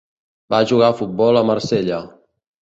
Va jugar a futbol a Marsella.